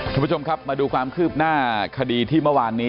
คุณผู้ชมครับมาดูความคืบหน้าคดีที่เมื่อวานนี้